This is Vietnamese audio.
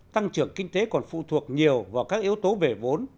tăng trưởng kinh tế còn phụ thuộc nhiều vào các yếu tố về vốn